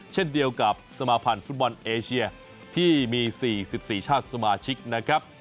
เช่นเดียวกับสมาพันธ์ฟุตบอลเอเชียที่มี๔๔ชาติสมาชิกนะครับ